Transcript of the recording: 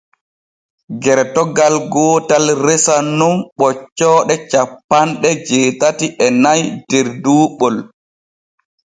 Gertogal gootal resan nun ɓoccooɗe cappanɗe jeetati e nay der duuɓol.